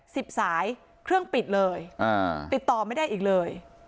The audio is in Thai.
สายเครื่องปิดเลยอ่าติดต่อไม่ได้อีกเลย